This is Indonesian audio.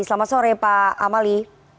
selamat sore pak amali